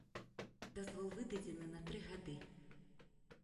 Дазвол выдадзены на тры гады.